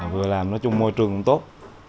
vừa làm nói chung môi trường cũng tốt